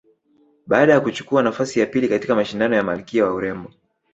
Baada ya kuchukua nafasi ya pili katika mashindano ya malkia wa urembo